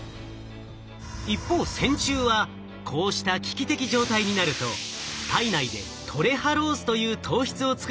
一方線虫はこうした危機的状態になると体内でトレハロースという糖質を作ることができます。